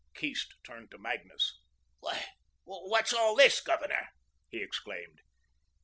Keast turned to Magnus. "Why, what's all this, Governor?" he exclaimed.